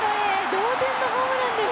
同点のホームランです。